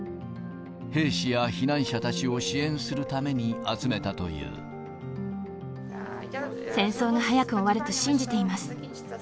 兵士や避難者たちを支援するため戦争が早く終わると信じています。